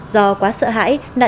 do quá sợ hãi nạn nhân đã chấp nhận